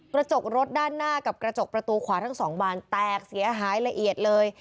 กระจกรถด้านหน้ากับกระจกประตูขวาทั้งสองบานแตกเสียหายละเอียดเลย